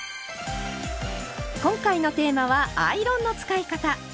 今回のテーマは「アイロンの使い方」。